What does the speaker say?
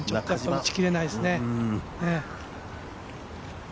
打ち切れないですね。